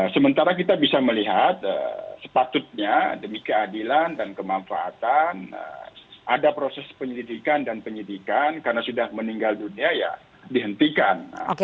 sementara kita bisa melihat sepatutnya demi keadilan dan kemanfaatan ada proses penyelidikan dan penyidikan karena sudah meninggal dunia ya dihentikan